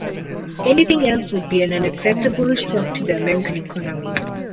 Anything else would be an unacceptable shock to the American economy.